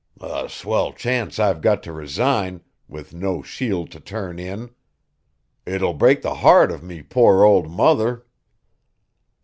"A swell chance I've got to resign with no shield to turn in. It'll break the heart of me poor ould mother."